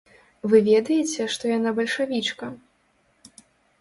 Вы ведаеце, што яна бальшавічка?